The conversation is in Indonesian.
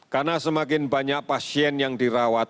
karena semakin banyak pasien yang dirawat